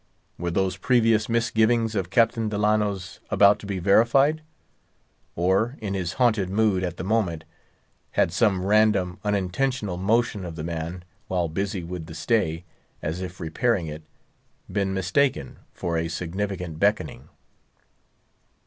Were those previous misgivings of Captain Delano's about to be verified? Or, in his haunted mood at the moment, had some random, unintentional motion of the man, while busy with the stay, as if repairing it, been mistaken for a significant beckoning?